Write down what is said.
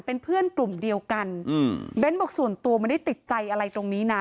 เป็นเพื่อนกลุ่มเดียวกันอืมเบ้นบอกส่วนตัวไม่ได้ติดใจอะไรตรงนี้นะ